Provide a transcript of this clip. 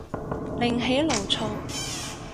另起爐灶